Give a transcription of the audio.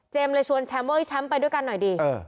เจมส์เลยชวนแชมป์ว่าเฮ้ยแชมป์ไปด้วยกันหน่อยดี